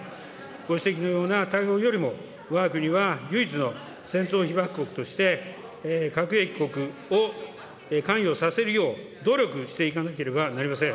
ご指摘のような対応よりも、わが国は唯一の戦争被爆国として、核兵器国を関与させるよう努力していかなければなりません。